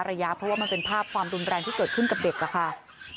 เพราะว่ามันเป็นภาพความรุนแรงที่เกิดขึ้นกับเด็กอะค่ะ